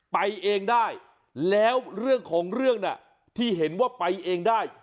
ไปเองได้แล้วเรื่องของเรื่องน่ะที่เห็นว่าไปเองได้